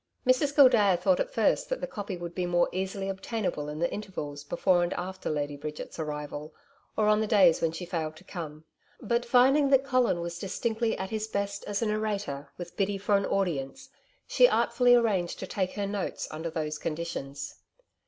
Mrs Gildea thought at first that the 'copy' would be more easily obtainable in the intervals before and after Lady Bridget's arrival, or on the days when she failed to come. But, finding that Colin was distinctly at his best as a narrator with Biddy for an audience, she artfully arranged to take her notes under those conditions.